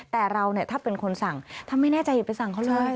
แต่เราเนี่ยถ้าเป็นคนสั่งถ้าไม่แน่ใจอย่าไปสั่งเขาเลย